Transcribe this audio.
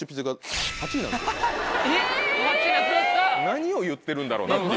何を言ってるんだろうなっていう。